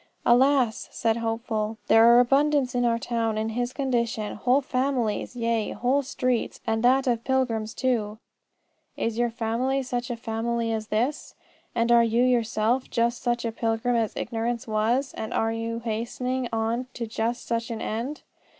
"Alas!" said Hopeful, "there are abundance in our town in his condition: whole families, yea, whole streets, and that of pilgrims too." Is your family such a family as this? And are you yourself just such a pilgrim as Ignorance was, and are you hastening on to just such an end?